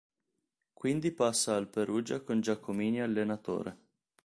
Quindi passa al Perugia con Giacomini allenatore.